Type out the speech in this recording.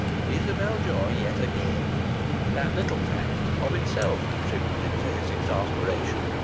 Isabel Joy yet again! That little fact of itself contributed to his exasperation.